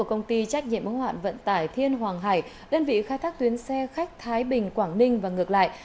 công ty trách nhiệm ứng hoạn vận tải thiên hoàng hải đơn vị khai thác tuyến xe khách thái bình quảng ninh và ngược lại